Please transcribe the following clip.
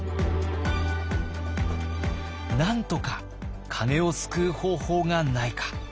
なんとか鐘を救う方法がないか。